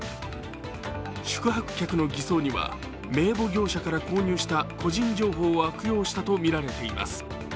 宿泊客の偽装には名簿業者から購入した個人情報を悪用したとみられています。